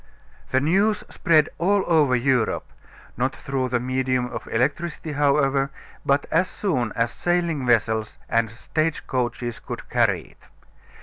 The news spread all over Europe, not through the medium of electricity, however, but as soon as sailing vessels and stage coaches could carry it.